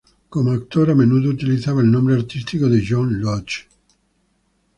Como actor a menudo utilizaba el nombre artístico de John Lodge.